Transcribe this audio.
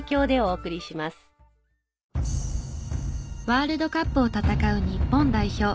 ワールドカップを戦う日本代表。